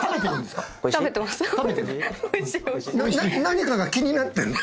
何かが気になってる？